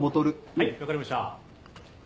はい分かりました。